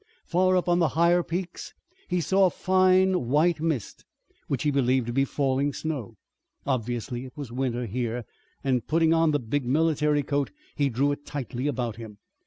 Far up on the higher peaks he saw a fine white mist which he believed to be falling snow. Obviously it was winter here and putting on the big military coat he drew it tightly about him.